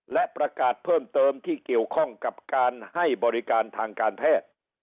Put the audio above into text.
และประกาศเพิ่มเติมที่เกี่ยวข้องกับการให้บริการทางการแพทย์